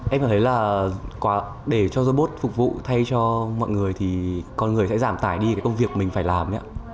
em cảm thấy là để cho robot phục vụ thay cho mọi người thì con người sẽ giảm tải đi công việc mình phải làm